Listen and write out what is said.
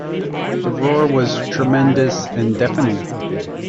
The roar was tremendous and deafening.